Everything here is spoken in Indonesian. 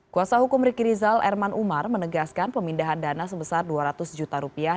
kuasa hukum riki rizal erman umar menegaskan pemindahan dana sebesar dua ratus juta rupiah